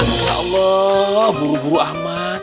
allah buru buru amat